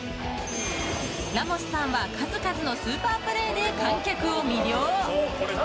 ラモスさんは、数々のスーパープレーで観客を魅了。